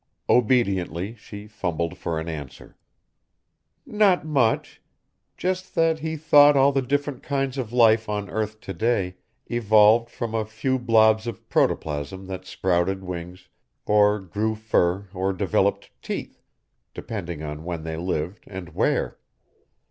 Obediently, she fumbled for an answer. "Not much. Just that he thought all the different kinds of life on earth today evolved from a few blobs of protoplasm that sprouted wings or grew fur or developed teeth, depending on when they lived, and where."